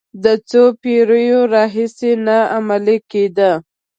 د څو پېړیو راهیسې نه عملي کېده.